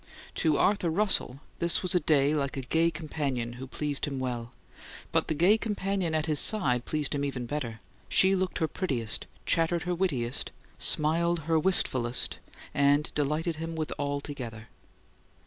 To Arthur Russell this was a day like a gay companion who pleased him well; but the gay companion at his side pleased him even better. She looked her prettiest, chattered her wittiest, smiled her wistfulest, and delighted him with all together.